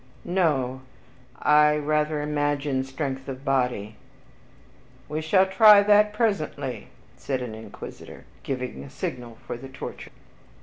"No, I rather imagine strength of body." "We shall try that presently," said an Inquisitor, giving a signal for the torture.